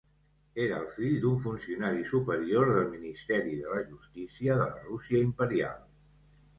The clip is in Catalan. Era el fill d'un funcionari superior del Ministeri de la Justícia de la Rússia Imperial.